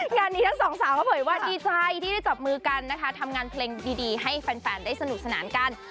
งานนี้ทั้งสองสาวเขาเผยว่าดีใจที่ได้จับมือกันนะคะทำงานเพลงดีให้แฟนได้สนุกสนานกัน